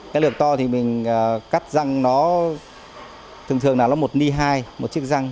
cái lượng to thì mình cắt răng nó thường thường là nó một ni hai một chiếc răng